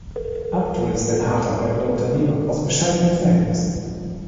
Abdul ist ein hart arbeitender Unternehmer aus bescheidenen Verhältnissen.